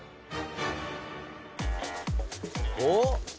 おっ？